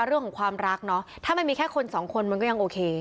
เรื่องของความรักเนาะถ้ามันมีแค่คนสองคนมันก็ยังโอเค